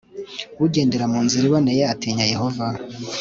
ugendera mu nzira iboneye atinya yehova